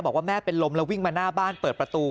บอกว่าแม่เป็นลมแล้ววิ่งมาหน้าบ้านเปิดประตู